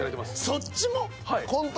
そっちも！？